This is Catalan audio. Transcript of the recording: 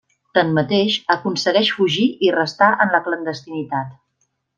Tanmateix, aconsegueix fugir i restar en la clandestinitat.